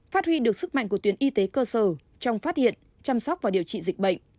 phát huy được sức mạnh của tuyến y tế cơ sở trong phát hiện chăm sóc và điều trị dịch bệnh